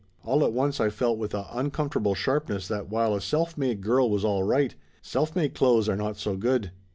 All at once I felt with a uncomfortable sharpness that while a self made girl was all right, self made clothes are not so good.